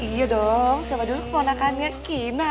iya dong sama dulu keponakannya kina